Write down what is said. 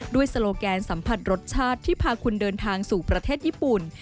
โซโลแกนสัมผัสรสชาติที่พาคุณเดินทางสู่ประเทศญี่ปุ่น